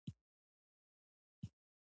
باد بې له اجازې راځي